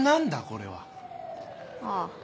これは。ああ。